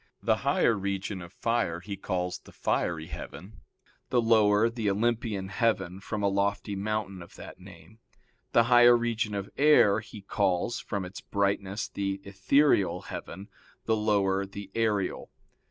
The higher region of fire he calls the fiery heaven; the lower, the Olympian heaven from a lofty mountain of that name: the higher region of air he calls, from its brightness, the ethereal heaven; the lower, the aerial.